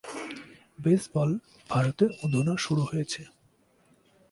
Baseball ভারতে অধুনা শুরু হয়েছে।